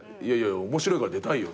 「面白いから出たいよ」っつって。